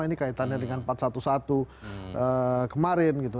ini kaitannya dengan empat ratus sebelas kemarin gitu